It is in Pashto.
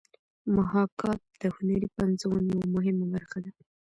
محاکات د هنري پنځونې یوه مهمه برخه ده